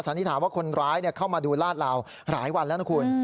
สันนี้ถามว่าคนร้ายเนี่ยเข้ามาดูลาดลาวหลายวันแล้วนะคุณ